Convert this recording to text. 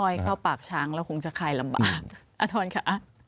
เข้าปากช้างแล้วคงจะคลายลำบากอาทรค่ะ